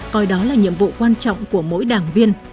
coi đó là nhiệm vụ quan trọng của mỗi đảng viên